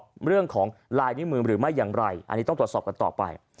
เรื่องของลายนิ้วมือหรือไม่อย่างไรอันนี้ต้องตรวจสอบกันต่อไป